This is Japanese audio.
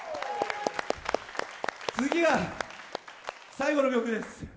次は最後の曲です。